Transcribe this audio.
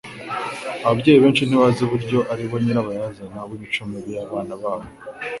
Ababyeyi benshi ntibazi uburyo ari bo nyirabayazana w'imico mibi y'abana babo.